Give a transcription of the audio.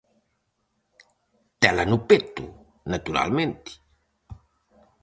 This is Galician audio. -Tela no peto, naturalmente?